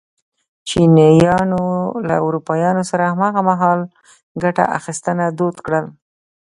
چینایانو له اروپایانو سره هماغه مهال ګته اخیستنه دود کړل.